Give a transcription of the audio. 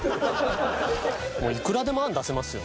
もういくらでも案出せますよ。